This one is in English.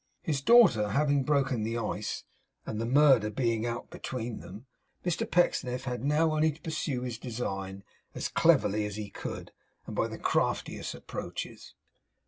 His daughter having broken the ice, and the murder being out between them, Mr Pecksniff had now only to pursue his design as cleverly as he could, and by the craftiest approaches.